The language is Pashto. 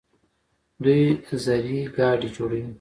دوی زرهي ګاډي جوړوي.